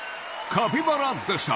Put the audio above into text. カピバラでした！